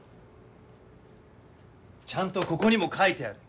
ちゃんとここにも書いてある。